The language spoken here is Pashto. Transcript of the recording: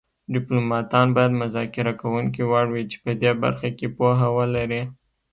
ډیپلوماتان باید مذاکره کوونکي وړ وي چې په دې برخه کې پوهه ولري